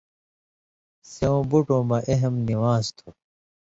سېوں بُٹوں مہ اہم نِوان٘ز تُھو۔